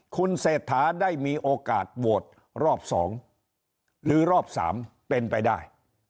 คุณเศรษฐาได้มีโอกาสโหวตรอบ๒หรือรอบ๓เป็นไปได้